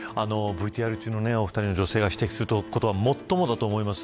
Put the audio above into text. ＶＴＲ中のお二人の女性が指摘することはもっともだと思います。